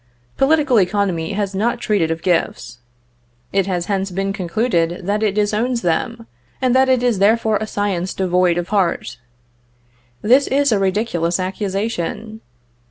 Political economy has not treated of gifts. It has hence been concluded that it disowns them, and that it is therefore a science devoid of heart. This is a ridiculous accusation.